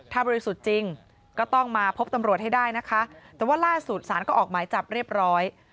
ถ้าบริสุทธิ์จริงก็ต้องมาพบตำรวจให้ได้นะคะแต่ว่าล่าสุดสารก็ออกหมายจับเรียบร้อย